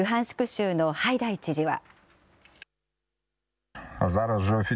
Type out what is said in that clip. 州のハイダイ知事は。